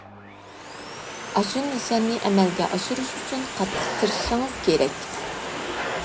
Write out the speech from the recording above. ئاشۇ نىشاننى ئەمەلگە ئاشۇرۇش ئۈچۈن قاتتىق تىرىشىشىڭىز كېرەك.